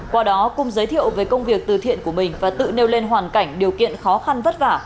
qua đó cùng giới thiệu về công việc từ thiện của mình và tự nêu lên hoàn cảnh điều kiện khó khăn vất vả